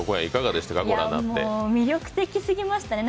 魅力的すぎましたね。